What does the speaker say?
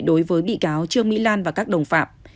đối với bị cáo trương mỹ lan và các đồng phạm